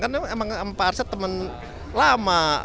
kan emang pak arsad teman lama